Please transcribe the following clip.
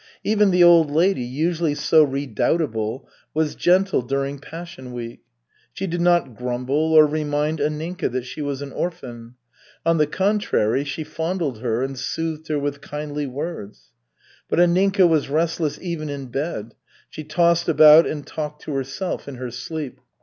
Even the old lady, usually so redoubtable, was gentle during Passion Week. She did not grumble or remind Anninka that she was an orphan. On the contrary, she fondled her and soothed her with kindly words. But Anninka was restless even in bed, she tossed about and talked to herself in her sleep.